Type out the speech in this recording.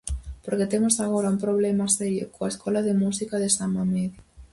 Porque temos agora un problema serio, coa escola de música de San Mamede.